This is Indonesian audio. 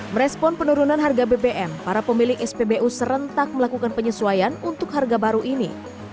merespon penurunan harga bbm para pemilik spbu serentak melakukan penyesuaian untuk harga baru ini